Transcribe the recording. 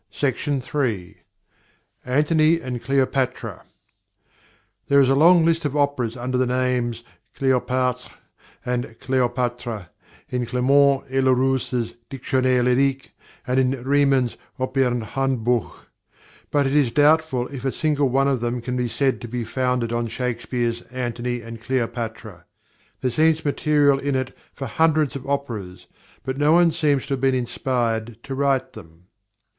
SHAKESPEARE AND MUSIC ANTONY AND CLEOPATRA There is a long list of operas under the names Cléopâtre and Kleopatra in Clément et Larousse's Dictionnaire Lyrique, and in Riemann's Opernhandbuch, but it is doubtful if a single one of them can be said to be founded on Shakespeare's Antony and Cleopatra. There seems material in it for hundreds of operas, but no one seems to have been inspired to write them.